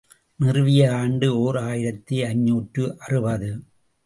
நிறுவிய ஆண்டு ஓர் ஆயிரத்து ஐநூற்று அறுபது.